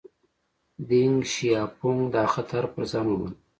دینګ شیاپونګ دا خطر پر ځان ومانه.